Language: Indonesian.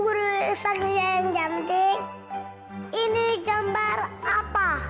uguru isaknya yang cantik ini ada gambar apa